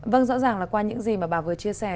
vâng rõ ràng là qua những gì mà bà vừa chia sẻ